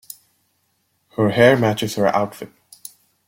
Her hair matches her outfit.